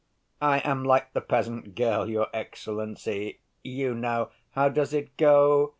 "I am like the peasant girl, your excellency ... you know. How does it go?